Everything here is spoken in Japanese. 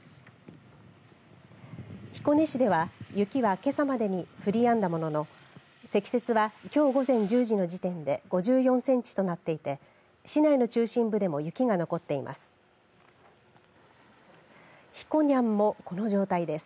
彦根市では雪はけさまでに降りやんだものの積雪はきょう午前１０時の時点で５４センチとなっていて市内の中心部でも雪が残っています。